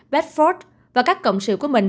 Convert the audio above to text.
bedford và các cộng sự của mình